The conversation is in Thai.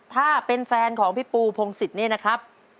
ถ้าเป็นแฟนของพี่ปูพงศิษย์เนี่ยนะครับ